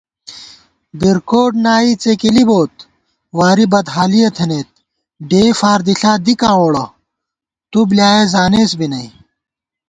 بِرکوٹ نائی څېکېلی بوت، واری بدحالِیَہ تھنَئیت * ڈېئی فار دِݪا دِکاں ووڑہ تُو بۡلیایَہ زانېس بی نئ